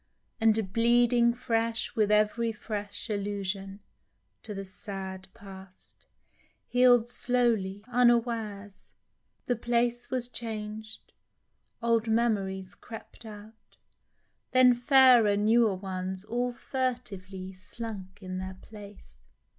And bleeding fresh with ev'ry fresh allusion To the sad past), heal'd slowly, unawares. A Lock of Hair, 1 5 The place was changed, old memories crept out, Then fairer, newer ones, all furtively Slunk in their place.